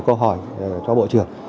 câu hỏi cho bộ trưởng